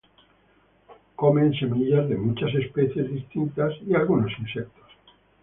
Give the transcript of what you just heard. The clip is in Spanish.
Comen semillas de muchas especies distintas y algunos insectos.